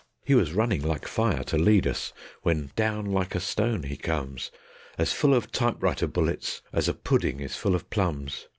He was running like fire to lead us, when down like a stone he comes, As full of "typewriter" bullets as a pudding is full of plums.